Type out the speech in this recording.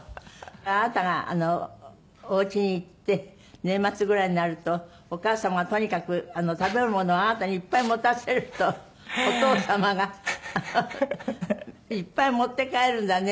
あなたがお家に行って年末ぐらいになるとお母様がとにかく食べるものをあなたにいっぱい持たせるとお父様が「いっぱい持って帰るんだね」